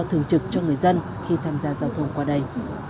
thường trực cho người dân khi tham gia giao thông qua đây